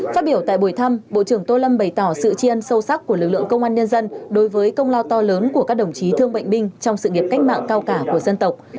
phát biểu tại buổi thăm bộ trưởng tô lâm bày tỏ sự tri ân sâu sắc của lực lượng công an nhân dân đối với công lao to lớn của các đồng chí thương bệnh binh trong sự nghiệp cách mạng cao cả của dân tộc